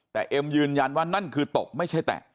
แต่เอ็มยืนยันว่านั่นคือตบไม่ใช่แตะ